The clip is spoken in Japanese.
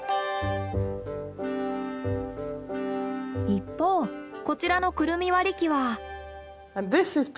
一方こちらのクルミ割り器は。